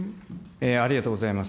ありがとうございます。